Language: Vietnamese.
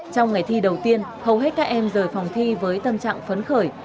trong ngày thi đầu tiên hầu hết các em rời phòng thi với tâm trạng phấn khởi